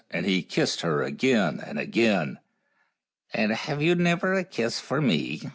And he kissed her again and again. " And have you never a kiss for me?